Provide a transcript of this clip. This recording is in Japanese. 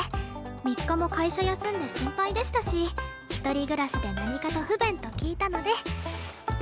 ３日も会社休んで心配でしたし一人暮らしで何かと不便と聞いたので差し入れです。